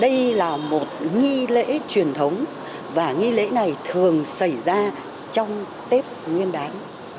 đây là một nghi lễ truyền thống và nghi lễ này thường xảy ra trong tết nguyên đán